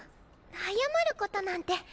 謝ることなんて。